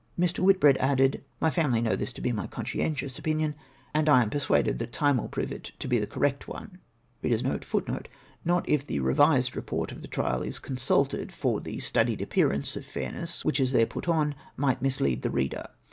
" Mr. Whitbread added, ' My family know this to be my conscientious opinion, and / am persuaded that time ivill prove it to be the correct one *;' but, in any case, you have it * Not if the " revised'''' report of the trial is consulted ; for the studied appearance of fairness which is there put on might mislead the reader.